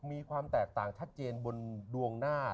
มีความแตกต่างชัดเจนบนดวงหน้า